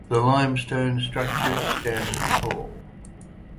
The limestone structures stand tall.